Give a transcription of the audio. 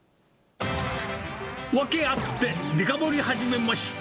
わけあってデカ盛り始めました！